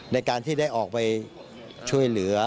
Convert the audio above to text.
ในการที่ได้ออกไปช่วยเหลือ